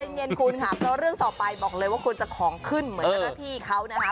เป็นเย็นคุณค่ะเพราะเรื่องต่อไปบอกเลยว่าคุณจะของขึ้นเหมือนกับพี่เขานะครับ